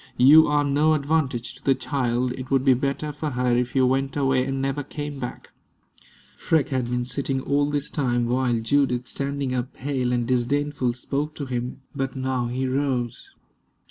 You are no advantage to the child. It would be better for her if you went away and never came back." Freke had been sitting all this time, while Judith, standing up, pale and disdainful, spoke to him. But now he rose.